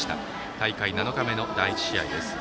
大会７日目の第１試合です。